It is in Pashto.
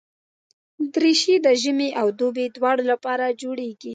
دریشي د ژمي او دوبي دواړو لپاره جوړېږي.